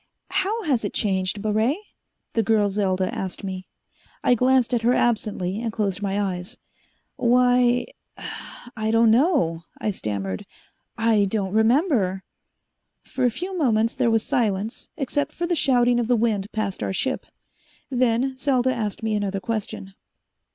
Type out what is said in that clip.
"How has it changed, Baret?" the girl, Selda, asked me. I glanced at her absently and closed my eyes. "Why ... I don't know," I stammered, "I don't remember." For a few moments there was silence, except for the shouting of the wind past our ship. Then Selda asked me another question.